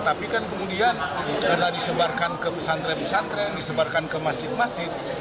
tapi kan kemudian karena disebarkan ke pesantren pesantren disebarkan ke masjid masjid